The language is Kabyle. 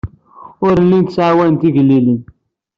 Ur llint ttɛawanent igellilen.